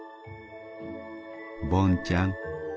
『ボンちゃん